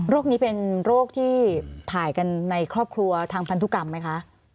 นี้เป็นโรคที่ถ่ายกันในครอบครัวทางพันธุกรรมไหมคะ